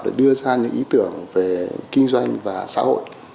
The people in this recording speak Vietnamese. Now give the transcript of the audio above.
để đưa ra những ý tưởng về kinh doanh và xã hội